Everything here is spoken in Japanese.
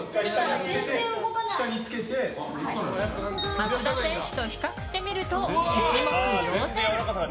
松田選手と比較してみると一目瞭然。